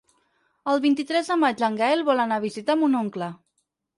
El vint-i-tres de maig en Gaël vol anar a visitar mon oncle.